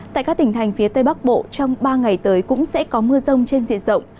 tại các tỉnh thành phía tây bắc bộ trong ba ngày tới cũng sẽ có mưa rông trên diện rộng